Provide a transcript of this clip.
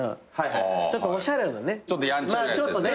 ちょっとやんちゃなやつですね。